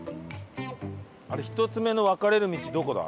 １つ目の分かれる道どこだ？